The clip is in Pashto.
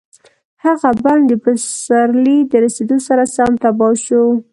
هغه بڼ د پسرلي د رسېدو سره سم تباه شو.